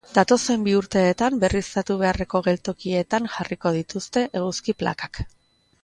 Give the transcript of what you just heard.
Datozen bi urteetan berriztatu beharreko geltokietan jarriko dituzte eguzki plakak.